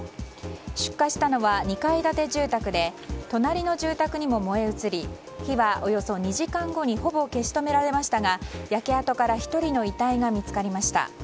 出火したのは２階建て住宅で隣の住宅にも燃え移り、火はおよそ２時間後にほぼ消し止められましたが焼け跡から１人の遺体が見つかりました。